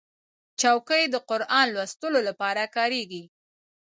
چوکۍ د قرآن لوستلو لپاره کارېږي.